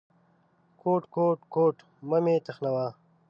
_کوټ، کوټ، کوټ… مه مې تخنوه.